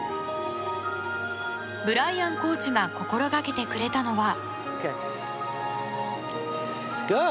ブライアンコーチが心がけてくれたのは。